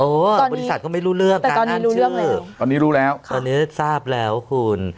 บริษัทก็ไม่รู้เรื่องการอ่านชื่อตอนนี้รู้แล้วตอนนี้ทราบแล้วคุณ